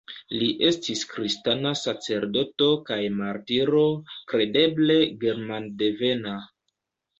Li estis kristana sacerdoto kaj martiro, kredeble germandevena.